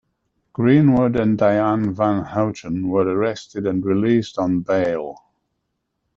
Greenwood and Dyanne Van Houten were arrested and released on bail.